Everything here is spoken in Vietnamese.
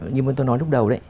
như tôi nói lúc đầu